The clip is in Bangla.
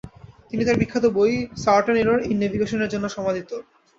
তিনি তার বিখ্যাত বই "সার্টেন এরর ইন নেভিগেশন"এর জন্য সমাধিত।